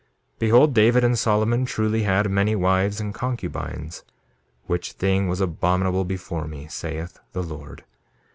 2:24 Behold, David and Solomon truly had many wives and concubines, which thing was abominable before me, saith the Lord.